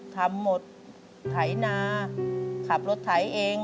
ทำหมดไถนาขับรถไถเอง